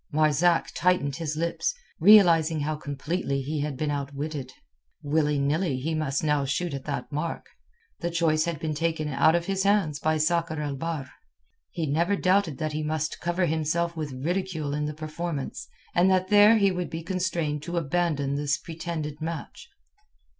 Marzak tightened his lips, realizing how completely he had been outwitted. Willy nilly he must now shoot at that mark. The choice had been taken out of his hands by Sakr el Bahr. He never doubted that he must cover himself with ridicule in the performance, and that there he would be constrained to abandon this pretended match.